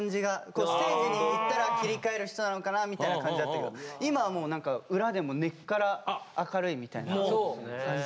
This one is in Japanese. ステージに行ったら切り替える人なのかなみたいな感じだったけど今はもう何か裏でも根っから明るいみたいな感じ。